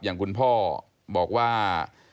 อย่างคุณพ่อบอกว่า